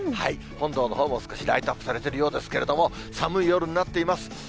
本堂のほうも少しライトアップされているようですけれども、寒い夜になっています。